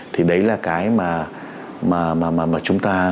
thì đấy là cái mà chúng ta